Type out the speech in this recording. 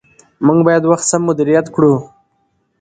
موږ باید وخت سم مدیریت کړو